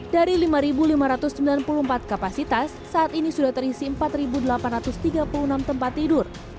dari lima lima ratus sembilan puluh empat kapasitas saat ini sudah terisi empat delapan ratus tiga puluh enam tempat tidur